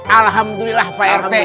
alhamdulillah pak rt